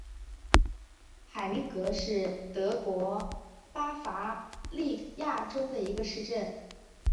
海明格是德国巴伐利亚州的一个市镇。